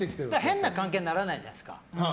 変な関係にならないじゃないですか。